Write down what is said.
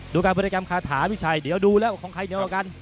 ดูการบริการค้าถามิชัยเดี๋ยวดูแล้วของใครเหนียวกัน